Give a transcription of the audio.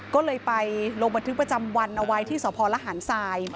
ก็เลยไปลงบันทึกประจำวันเอาไว้ที่สพลหารทราย